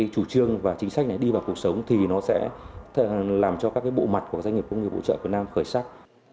chủ trương và chính sách này đi vào cuộc sống thì nó sẽ làm cho các bộ mặt của doanh nghiệp công nghiệp hỗ trợ việt nam khởi sắc